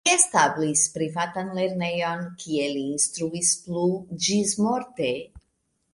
Li establis privatan lernejon, kie li instruis plu ĝismorte.